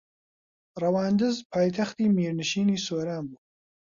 ڕەواندز پایتەختی میرنشینی سۆران بوو